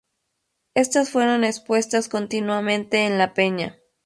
Estas fueron expuestas continuamente en la peña.